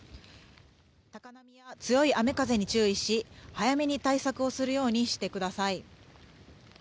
高波や強い雨風に注意し早めに対策をするようにしてください。